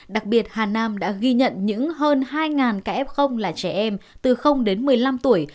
đặc biệt hà nam đã ghi nhận những hơn hai ca f là trẻ em từ đến một mươi năm tuổi